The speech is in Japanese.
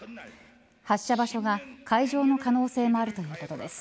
発射場所が海上の可能性もあるということです。